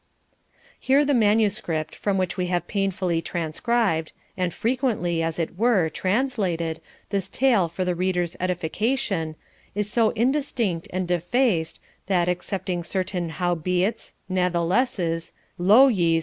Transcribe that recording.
Here the manuscript, from which we have painfully transcribed, and frequently, as it were, translated, this tale for the reader's edification, is so indistinct and defaced, that, excepting certain howbeits, nathlesses, lo ye's!